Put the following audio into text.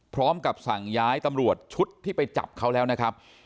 พร้อมกับสั่งย้ายตำรวจชุดที่ไปจับเขาแล้วนะครับ